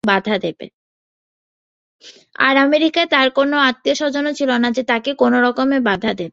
আর আমেরিকায় তাঁর কোনো আত্মীয়স্বজনও ছিল না যে, তারা কোনোরকম বাধা দেবে।